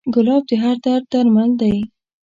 ګلاب د هر درد درمل دی.